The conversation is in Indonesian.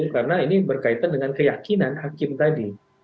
karena ini berkaitan dengan keyakinan hakim tadi